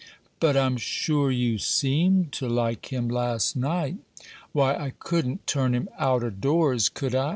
"But I'm sure you seemed to like him last night." "Why, I couldn't turn him out o' doors, could I?